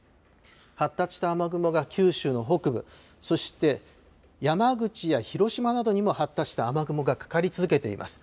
発達した雨雲が九州の北部、そして山口や広島などにも発達した雨雲がかかり続けています。